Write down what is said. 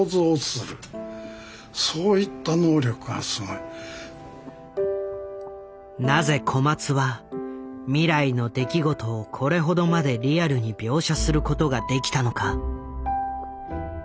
いやそんななぜ小松は未来の出来事をこれほどまでリアルに描写することができたのか。